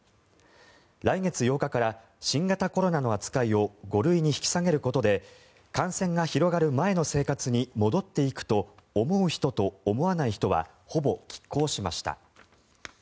来月８日から新型コロナの扱いを５類に引き下げることで感染が広がる前の生活に戻っていくと思う人と思わない人はほぼきっ抗しました。